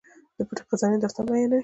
د پټې خزانې داستان بیانوي.